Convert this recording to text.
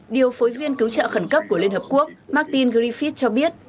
điều phối viên cứu trợ khẩn cấp của liên hợp quốc martin griffith cho biết